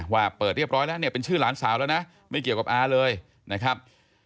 ว่าเปิดเรียบร้อยแล้วเนี่ยเป็นชื่อหลานสาวแล้วนะไม่เกี่ยวกับอาเลยนะครับ